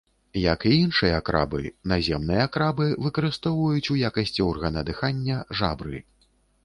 Як і іншыя крабы, наземныя крабы выкарыстоўваюць у якасці органа дыхання жабры.